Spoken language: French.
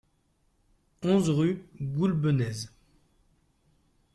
onze rue Goulbenèze